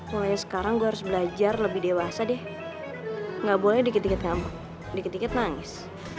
mulai sekarang gue harus belajar lebih dewasa deh nggak boleh dikit dikit kamu dikit dikit nangis